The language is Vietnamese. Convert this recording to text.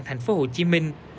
thành phố hồ chí minh